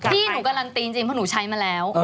ที่หนูการันตีจริงเพราะหนูใช้มาแล้ว